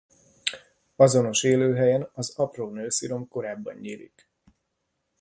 Azonos élőhelyen az apró nőszirom korábban nyílik.